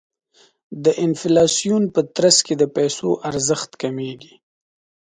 د انفلاسیون په ترڅ کې د پیسو ارزښت کمیږي.